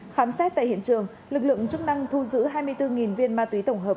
khám xét tại hiện trường lực lượng chức năng thu giữ hai mươi bốn viên ma túy tổng hợp